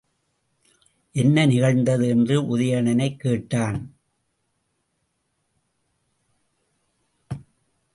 என்ன நிகழ்ந்தது? என்று உதயணனைக் கேட்டான்.